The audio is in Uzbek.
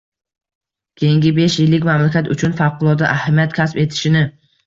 Keyingi besh yillik mamlakat uchun favqulodda ahamiyat kasb etishini